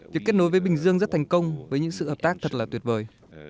việc kết nối với bình dương rất thành công với những sự hợp tác thật là tuyệt vời